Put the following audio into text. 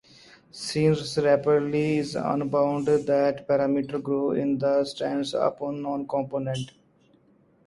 Since rapidity is unbounded, the one-parameter group it stands upon is non-compact.